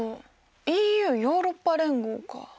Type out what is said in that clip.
ＥＵヨーロッパ連合か。